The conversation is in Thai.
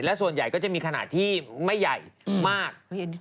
และส่วนใหญ่ก็จะมีขนาดที่ไม่ใหญ่มาก